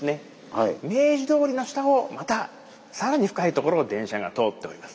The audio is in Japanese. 明治通りの下をまたさらに深いところを電車が通っております。